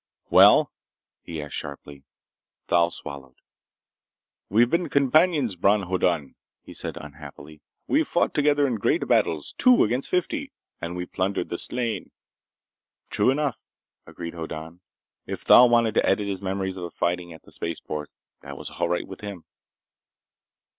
"Well?" he said sharply. Thal swallowed. "We have been companions, Bron Hoddan," he said unhappily. "We fought together in great battles, two against fifty, and we plundered the slain." "True enough," agreed Hoddan. If Thal wanted to edit his memories of the fighting at the spaceport, that was all right with him.